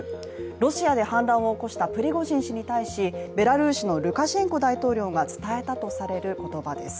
ロシアで反乱を起こしたプリゴジン氏に対しベラルーシのルカシェンコ大統領が伝えたとされる言葉です。